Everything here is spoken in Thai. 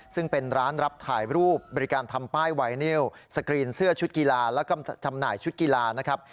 ซึ่งเป็นร้านรับถ่ายรูปบริการทำป้ายไวนิวสกรีนเสื้อชุดกีฬาแล้วก็จำหน่ายชุดกีฬานะครับ